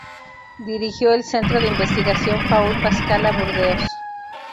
Dirigió el centro de investigación Paul Pascal a Burdeos.